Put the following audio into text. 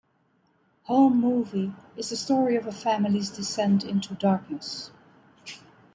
"Home Movie", is the story of a family's descent into darkness.